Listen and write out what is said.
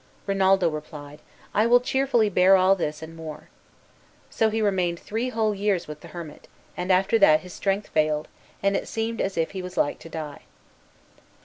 Rinaldo replied, "I will cheerfully bear all this, and more." So he remained three whole years with the hermit, and after that his strength failed, and it seemed as if he was like to die.